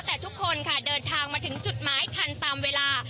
แต่ทุกคนค่ะเดินทางมาถึงจุดหมายทันตามเวลา